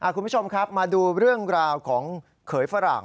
คุณผู้ชมครับมาดูเรื่องราวของเขยฝรั่ง